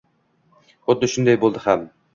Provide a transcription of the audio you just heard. Xuddi shunday bo`ldi ham